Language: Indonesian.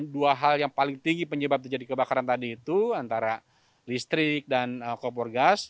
dua hal yang paling tinggi penyebab terjadi kebakaran tadi itu antara listrik dan kompor gas